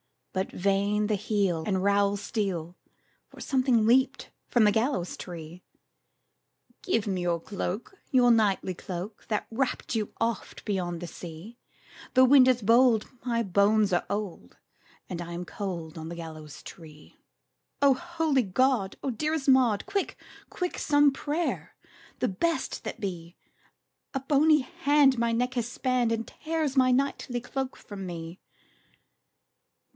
But vain the heel and rowel steel, For something leaped from the gallows tree! "Give me your cloak, your knightly cloak, That wrapped you oft beyond the sea; The wind is bold, my bones are old, And I am cold on the gallows tree." "O holy God! O dearest Maud, Quick, quick, some prayers, the best that be! A bony hand my neck has spanned, And tears my knightly cloak from me!"